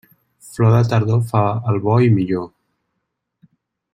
Flor de tardor fa el bo i millor.